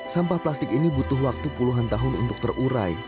sampah plastik ini butuh waktu puluhan tahun untuk terurai